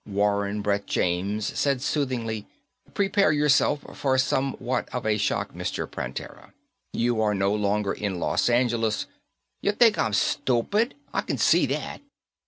Warren Brett James said soothingly, "Prepare yourself for somewhat of a shock, Mr. Prantera. You are no longer in Los Angeles " "Ya think I'm stupid? I can see that."